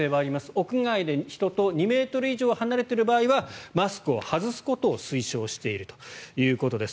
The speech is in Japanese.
屋外で人と２ｍ以上離れている場合はマスクを外すことを推奨しているということです。